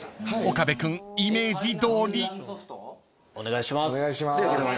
［岡部君イメージどおり］お願いします。